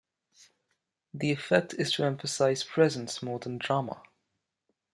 The effect is to emphasise presence more than drama.